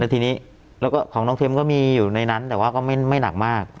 ทีนี้แล้วก็ของน้องเค็มก็มีอยู่ในนั้นแต่ว่าก็ไม่หนักมาก